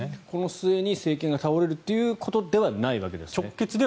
この末に政権が倒れるということではないわけですね。